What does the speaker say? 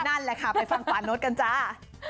นั่นแหละค่ะไปฟังปานดกันจ้า